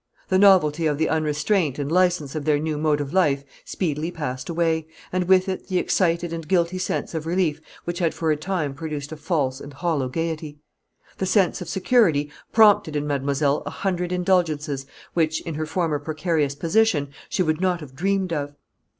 The novelty of the unrestraint and licence of their new mode of life speedily passed away, and with it the excited and guilty sense of relief which had for a time produced a false and hollow gaiety. The sense of security prompted in mademoiselle a hundred indulgences which, in her former precarious position, she would not have dreamed of.